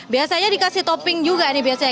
biasanya dikasih topping juga nih biasanya